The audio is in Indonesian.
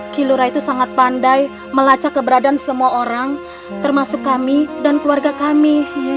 kilora itu sangat pandai melacak keberadaan semua orang termasuk kami dan keluarga kami